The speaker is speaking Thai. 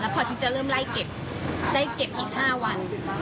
พอที่จะเริ่มไล่เก็บได้เก็บอีก๕วัน